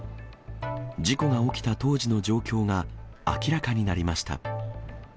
事故が起きた当時の状況が明らかになりました。